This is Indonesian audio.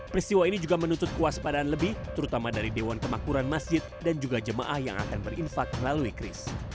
peristiwa ini juga menuntut kuas padaan lebih terutama dari dewan kemakmuran masjid dan juga jemaah yang akan berinfak melalui kris